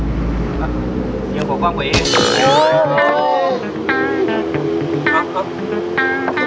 เดี๋ยวควบความกว่าเอง